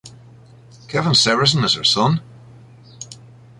Kevin Severson is her son.